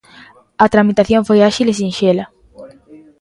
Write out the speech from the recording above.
A tramitación foi áxil e sinxela.